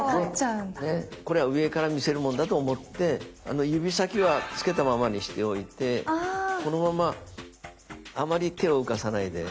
これは上から見せるもんだと思って指先はつけたままにしておいてこのままあまり手を浮かさないで。